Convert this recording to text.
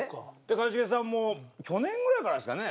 一茂さんも去年ぐらいからですかね？